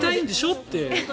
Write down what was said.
って。